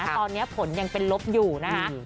ตอนนี้ผลยังเป็นลบอยู่นะคะ